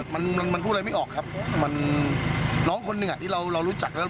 มันมันพูดอะไรไม่ออกครับมันน้องคนหนึ่งอ่ะที่เรารู้จักแล้ว